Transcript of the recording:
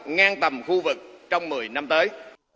ngang tầm khu vực trong một mươi năm tới